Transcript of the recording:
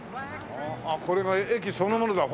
これが駅そのものだ。